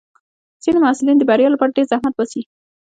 ځینې محصلین د بریا لپاره ډېر زحمت باسي.